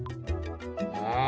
うん。